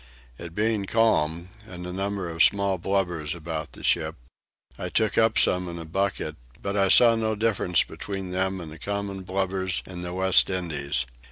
It being calm, and a number of small blubbers about the ship, I took up some in a bucket, but I saw no difference between them and the common blubbers in the West Indies.